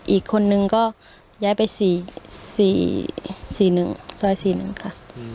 อีกคนนึงก็ย้ายไป๔๑ซอย๔๑ค่ะ